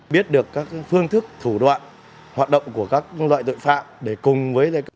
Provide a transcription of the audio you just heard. biết được các phương thức thủ đoạn hoạt động của các loại tội phạm để cùng với các